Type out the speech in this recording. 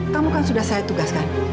kamu kan sudah saya tugaskan